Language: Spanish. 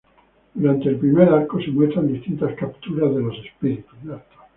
Durante el primer arco se muestran distintas "capturas" de los espíritus.